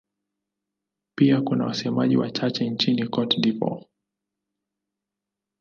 Pia kuna wasemaji wachache nchini Cote d'Ivoire.